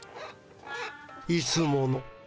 いつもの。